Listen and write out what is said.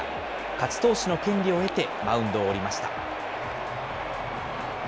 勝ち投手の権利を得て、マウンドを降りました。